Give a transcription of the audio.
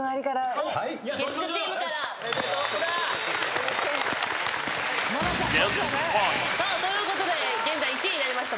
月９チームから。ということで現在１位になりました